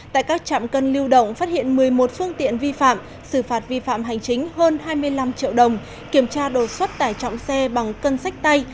tại các trạm cân lưu động phát hiện một mươi một phương tiện vi phạm xử phạt vi phạm hành chính hơn hai mươi năm triệu đồng kiểm tra đột xuất tải trọng xe bằng cân sách tay